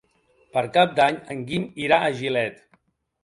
Per Cap d'Any en Guim irà a Gilet.